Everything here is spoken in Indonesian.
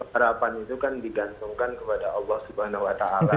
harapan itu kan digantungkan kepada allah swt